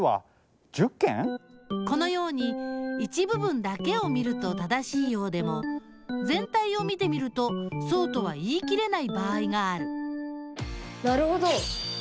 このように一部分だけを見ると正しいようでもぜん体を見てみるとそうとは言い切れない場合があるなるほど！